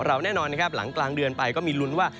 แน่นอนนะครับหลังกลางเดือนไปก็มีลุ้นว่า